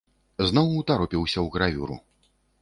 Зноў утаропіўся ў гравюру.